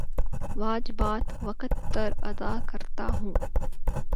واجبات وقت پر ادا کرتا ہوں